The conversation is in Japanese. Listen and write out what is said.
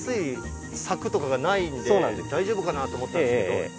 大丈夫かなと思ったんですけど。